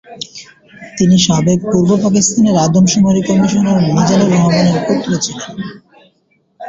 তিনি সাবেক পূর্ব পাকিস্তানের আদমশুমারি কমিশনার মিজানুর রহমানের পুত্র ছিলেন।